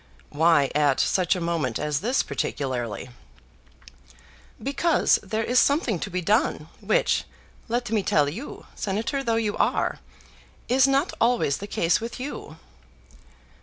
"Why at such a moment as this particularly?" "Because there is something to be done, which, let me tell you, senator though you are, is not always the case with you."